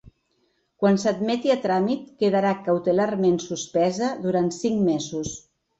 Quan s’admeti a tràmit, quedarà cautelarment suspesa durant cinc mesos.